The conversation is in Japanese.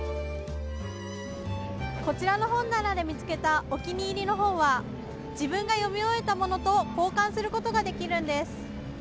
こちらの本棚で見つけたお気に入りの本は自分が読み終えたものと交換することができるんです。